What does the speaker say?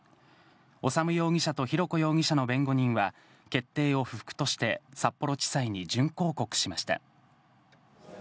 修容疑者と浩子容疑者の弁護人は、決定を不服として札幌地裁に準抗告しました。